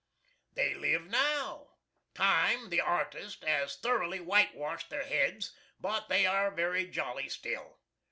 They live now. Time, the "artist," has thoroughly whitewashed their heads, but they are very jolly still.